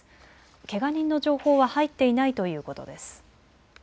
けが人の情報は入っていないということです。